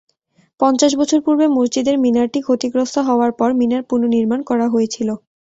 পঞ্চাশ বছর পূর্বে মসজিদের মিনারটি ক্ষতিগ্রস্ত হওয়ার পর মিনার পুনর্নির্মাণ করা হয়েছিল।